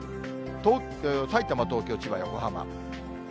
さいたま、東京、千葉、横浜。